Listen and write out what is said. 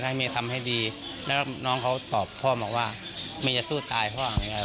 ถ้าเมย์ทำให้ดีแล้วก็น้องเขาตอบพ่อบอกว่าไม่จะสู้ตายเพราะว่าอย่างเงี้ย